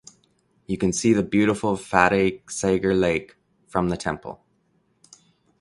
You can see the beautiful Fateh Sagar Lake from the temple.